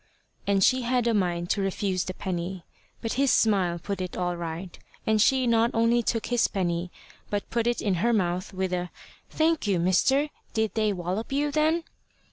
And she had a mind to refuse the penny. But his smile put it all right, and she not only took his penny but put it in her mouth with a "Thank you, mister. Did they wollop you then?"